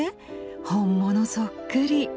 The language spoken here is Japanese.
本物そっくり。